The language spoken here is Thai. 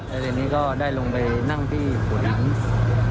แล้วทีนี้ก็ได้ลงไปนั่งที่หัวน้ำ